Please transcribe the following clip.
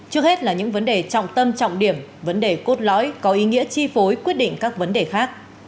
trước hết là những vấn đề trọng tâm trọng điểm vấn đề cốt lõi có ý nghĩa chi phối quyết định các vấn đề khác